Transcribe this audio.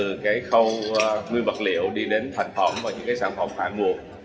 những cái khâu nguyên vật liệu đi đến thành phẩm và những cái sản phẩm hạ nguồn